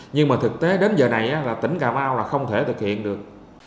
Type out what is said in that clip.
nhưng mà thực tế đến giờ này là tỉnh cà mau là không thể thực hiện được